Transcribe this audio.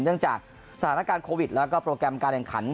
เนื่องจากสถานการณ์โควิดแล้วก็โปรแกรมการแข่งขัน